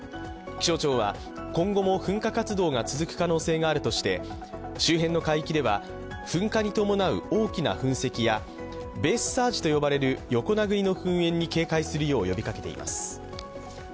気象庁は今後も噴火活動が続く可能性があるとして、周辺の海域では、噴火に伴う大きな噴石やベースサージと呼ばれる横殴りの噴煙に警戒するよう呼びかけています。